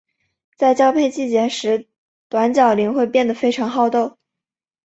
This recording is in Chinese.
在交配季节时短角羚会变得非常好斗。